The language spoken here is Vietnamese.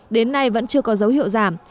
đến nay vẫn chưa có dấu hiệu giảm